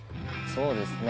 そうですね。